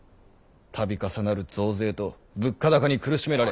度重なる増税と物価高に苦しめられ。